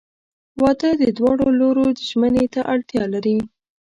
• واده د دواړو لورو ژمنې ته اړتیا لري.